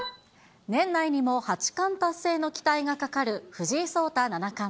年内にも八冠達成の期待がかかる藤井聡太七冠。